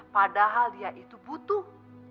padahal dia itu butuh